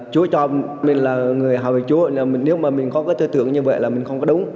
chúa cho mình là người hợp với chúa nếu mà mình có cái tư tưởng như vậy là mình không có đúng